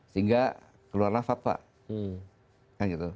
sehingga keluarlah fatwa